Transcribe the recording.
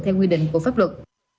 theo quy định của pháp luật